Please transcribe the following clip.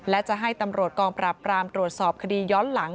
และจะให้ตำรวจกองปราบรามตรวจสอบคดีย้อนหลัง